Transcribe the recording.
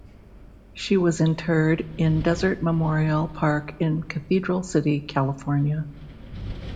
She was interred in Desert Memorial Park in Cathedral City, California.